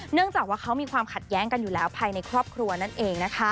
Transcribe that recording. เนื่องจากว่าเขามีความขัดแย้งกันอยู่แล้วภายในครอบครัวนั่นเองนะคะ